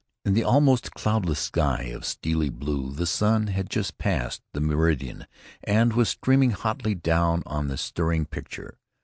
In an almost cloudless sky of steely blue the sun had just passed the meridian and was streaming hotly down on the stirring picture.